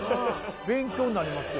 勉強になりますよ